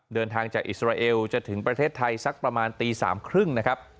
เดินทางจากอิสราเอลจะถึงประเทศไทยสักประมาณตี๓๓๐นะครับ